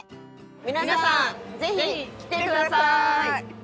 皆さんぜひ来てください！